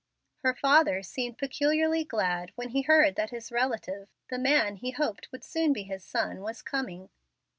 Her father seemed peculiarly glad when he heard that his relative, the man he hoped would soon be his son, was coming.